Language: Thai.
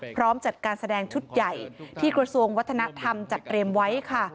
พร้อมจัดการแสดงชุดใหญ่ที่กระทรวงวัฒนธรรมจัดเตรียมไว้ค่ะ